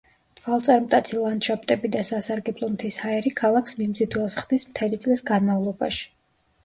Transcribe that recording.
თვალწარმტაცი ლანდშაფტები და სასარგებლო მთის ჰაერი ქალაქს მიმზიდველს ხდის მთელი წლის განმავლობაში.